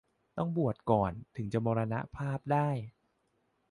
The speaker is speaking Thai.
ต้องบวชก่อนถึงจะมรณภาพได้